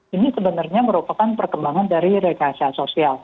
ini sebenarnya merupakan perkembangan dari rekayasa sosial